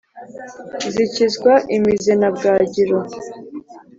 zikizwa imize na bwagiro,